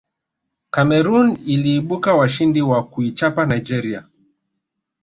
cameroon iliibuka washindi kwa kuichapa nigeria